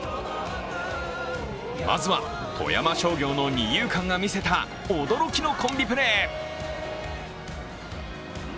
まずは、富山商業の二遊間がみせた驚きのコンビプレー。